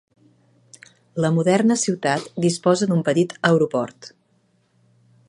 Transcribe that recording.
La moderna ciutat disposa d'un petit aeroport.